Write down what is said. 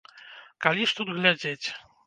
Калі ж тут глядзець?